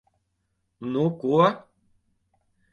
Nu ko...